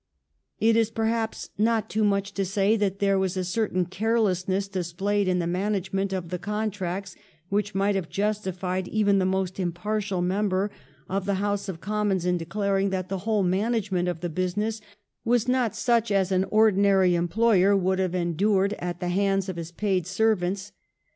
It is perhaps not too much to say that there was a certain carelessness displayed in the management of the contracts which might have justified even the most impartial member of the House of Commons in declaring that the whole management of the business was not such as an ordinary employer would have endured at the hands of his paid servants.